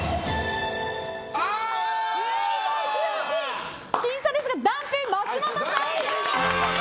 １２対１８僅差ですがダンプ松本さんです！